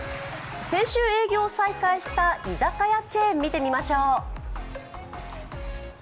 先週営業を再開した居酒屋チェーン見てみましょう。